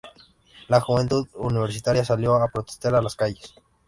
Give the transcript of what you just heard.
La juventud universitaria salió a protestar a las calles.